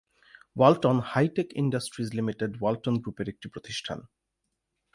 Walton hi tech industries limited Walton গ্রুপের একটি প্রতিষ্ঠান।